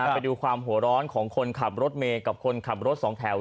ไปดูความหัวร้อนของคนขับรถเมย์กับคนขับรถสองแถว